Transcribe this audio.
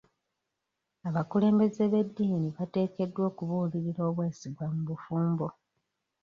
Abakulembeze b'eddiini bateekeddwa okubulirira obwesigwa mu bufumbo.